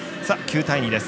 ９対２です。